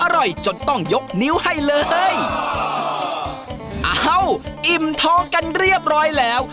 จนต้องยกนิ้วให้เลยอ้าวอิ่มทองกันเรียบร้อยแล้ว